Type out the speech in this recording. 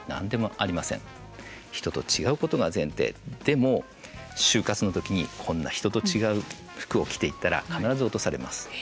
でも、就活の時にこんな人と違う服を着ていったら必ず落とされます。